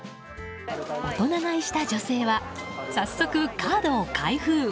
大人買いした女性は早速、カードを開封。